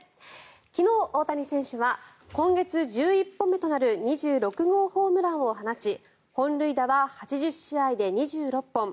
昨日、大谷選手は今月１１本目となる２６号ホームランを放ち本塁打は８０試合で２６本。